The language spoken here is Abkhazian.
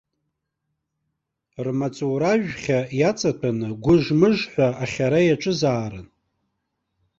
Рмаҵура-жәхьа иаҵатәаны гәыж-мыж ҳәа ахьара иаҿызаарын.